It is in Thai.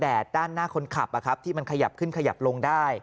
ด้านหน้าคนขับที่มันขยับขึ้นขยับลงได้